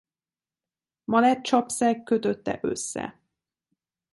Mallet-csapszeg kötötte össze.